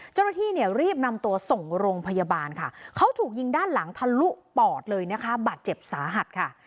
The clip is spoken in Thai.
เจ้าหน้าที่เนี่ยรีบนำตัวส่งโรงพยาบาลค่ะเขาถูกยิงด้านหลังทะลุปอดเลยนะคะบาดเจ็บสาหัสค่ะ